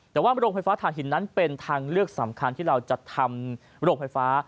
แต่ว่าโรงไฟฟ้าฐานหินนั้นเป็นทางเลือกสำคัญที่เราจะทำโรงไฟฟ้า